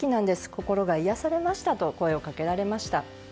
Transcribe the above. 心が癒やされましたと声をかけられました。